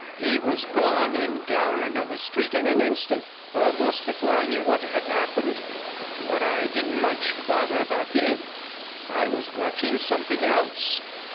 He was gone, and down another street in an instant, almost before I knew what had happened; but I didn't much bother about him, I was watching something else.